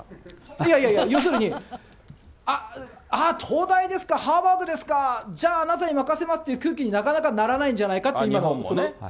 いやいやいや、要するに、あっ、東大ですか、ハーバードですか、じゃあ、あなたに任せますって空気に、なかなかならないんじゃな日本もね。